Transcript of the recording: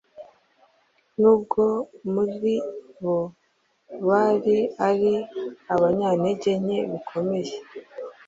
nubwo muri bo bari ari abanyantege nke bikomeye,